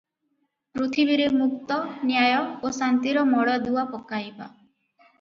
ପୃଥିବୀରେ ମୁକ୍ତ, ନ୍ୟାୟ ଓ ଶାନ୍ତିର ମୂଳଦୁଆ ପକାଇବା ।